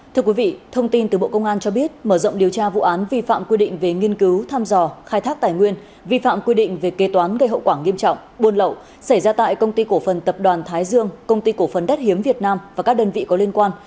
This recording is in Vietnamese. thưa quý vị thông tin từ bộ công an cho biết mở rộng điều tra vụ án vi phạm quy định về nghiên cứu tham dò khai thác tài nguyên vi phạm quy định về kế toán gây hậu quả nghiêm trọng buôn lậu xảy ra tại công ty cổ phần tập đoàn thái dương công ty cổ phần đất hiếm việt nam và các đơn vị có liên quan